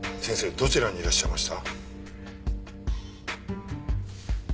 どちらにいらっしゃいました？